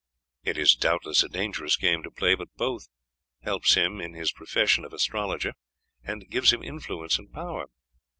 It is doubtless a dangerous game to play, but it both helps him in his profession of astrologer and gives him influence and power.